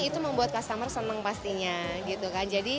itu membuat customer senang pastinya gitu kan